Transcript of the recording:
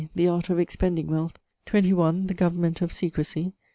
The Art of Expending Wealth. 21. The Government of Secresy.